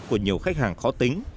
của nhiều khách hàng khó tính